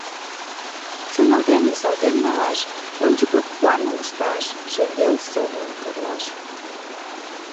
Шоналтен-висалтен налаш, ончыклык планым ышташ, шеҥгел сомылым тӧрлаш.